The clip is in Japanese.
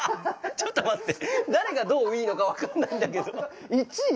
ちょっと待って。